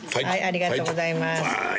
ありがとうございます。